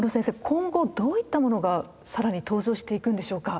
今後どういったものが更に登場していくんでしょうか？